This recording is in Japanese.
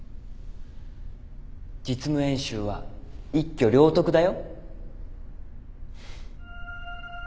実務演習は一挙両得だよ。